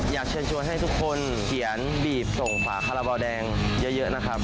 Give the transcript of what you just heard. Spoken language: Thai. อยากเชิญชวนให้ทุกคนเขียนบีบส่งฝาคาราบาลแดงเยอะนะครับ